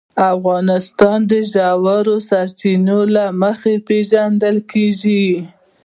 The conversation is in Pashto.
افغانستان د ژورې سرچینې له مخې پېژندل کېږي.